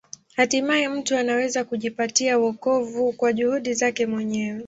Hatimaye mtu anaweza kujipatia wokovu kwa juhudi zake mwenyewe.